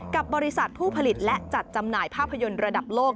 กับบริษัทผู้ผลิตและจัดจำหน่ายภาพยนตร์ระดับโลก